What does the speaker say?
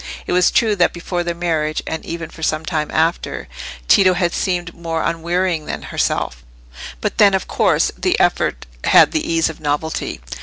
It was true that before their marriage, and even for some time after, Tito had seemed more unwearying than herself; but then, of course, the effort had the ease of novelty.